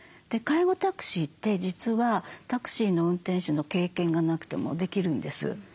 介護タクシーって実はタクシーの運転手の経験がなくてもできるんです。